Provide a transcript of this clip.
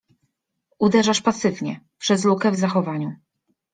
” „Uderzasz pasywnie — przez lukę w zachowaniu.